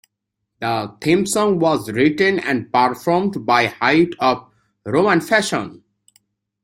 The theme song was written and performed by Height of Roman Fashion.